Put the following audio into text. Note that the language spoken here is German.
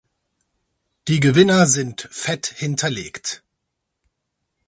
Die Gewinner sind fett hinterlegt.